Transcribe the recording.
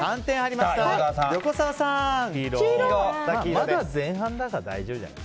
まだ前半だから大丈夫じゃない？